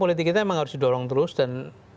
politik kita memang harus didorong terus dan